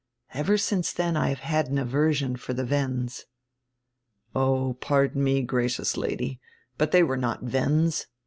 Lver since then I have had an aversion for the Wends." "Oh, pardon me, gracious Lady, but they were not Wends.